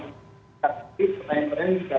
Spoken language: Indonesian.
jadi itu adalah